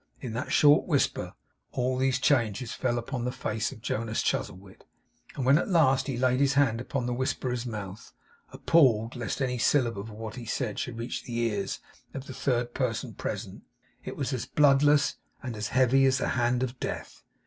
In that short whisper, all these changes fell upon the face of Jonas Chuzzlewit; and when at last he laid his hand upon the whisperer's mouth, appalled, lest any syllable of what he said should reach the ears of the third person present, it was as bloodless and as heavy as the hand of Death.